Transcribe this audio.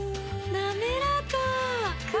なめらか！